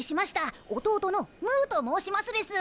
弟のムーと申しますです。